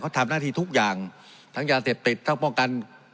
ทำหน้าที่ทุกอย่างทั้งยาเสพติดทั้งป้องกัน